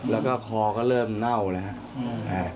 แล้วก็คอก็เริ่มเน่านะครับ